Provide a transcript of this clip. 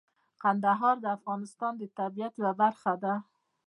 کندهار د افغانستان د طبیعت یوه برخه ده.